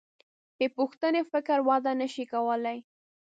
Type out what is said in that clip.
بېپوښتنې فکر وده نهشي کولی.